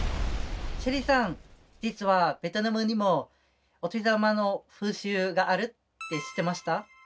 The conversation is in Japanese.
シェリさん実はベトナムにもお年玉の風習があるって知ってました？